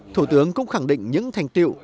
thủ tướng cũng khẳng định những thành tiệu